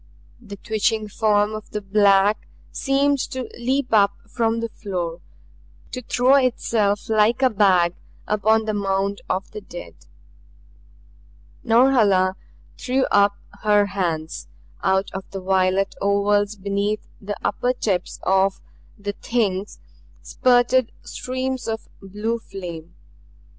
The twitching form of the black seemed to leap up from the floor, to throw itself like a bag upon the mound of the dead. Norhala threw up her hands. Out of the violet ovals beneath the upper tips of the Things spurted streams of blue flame.